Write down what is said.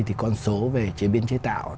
thì con số về chế biến chế tạo